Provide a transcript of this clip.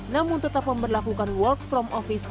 namun tetap memperlakukan work from office